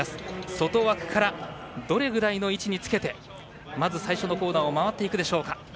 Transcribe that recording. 外枠からどれぐらいの位置につけてまず最初のコーナーを回っていくでしょうか。